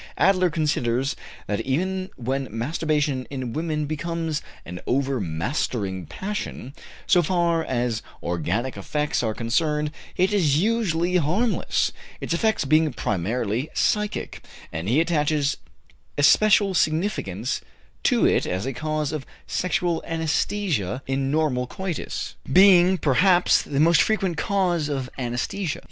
Adler considers that even when masturbation in women becomes an overmastering passion, so far as organic effects are concerned it is usually harmless, its effects being primarily psychic, and he attaches especial significance to it as a cause of sexual anæsthesia in normal coitus, being, perhaps, the most frequent cause of such anæsthesia.